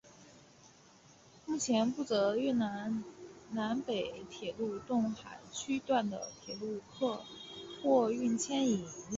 目前负责越南南北铁路洞海区段的铁路客货运牵引任务。